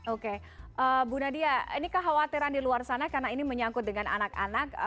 oke bu nadia ini kekhawatiran di luar sana karena ini menyangkut dengan anak anak